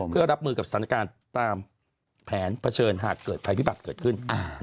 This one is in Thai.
เพื่อรับมือกับสถานการณ์ตามแผนเผชิญหากเกิดภัยพิบัติเกิดขึ้น